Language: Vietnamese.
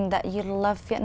anh đã nói về việc